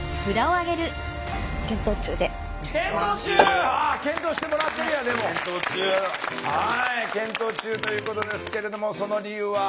はい検討中ということですけれどもその理由は？